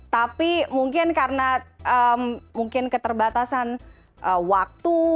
tapi mungkin karena mungkin keterbatasan waktu